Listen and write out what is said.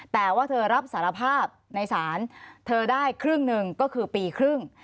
แต่ว่าเธอรับสารภาพในศาลเธอได้ครึ่งหนึ่งก็คือปีครึ่ง